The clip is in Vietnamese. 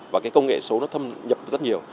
và cái công nghệ số nó thâm nhập rất nhiều